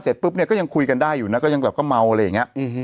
ปุ๊บเนี่ยก็ยังคุยกันได้อยู่นะก็ยังแบบก็เมาอะไรอย่างนี้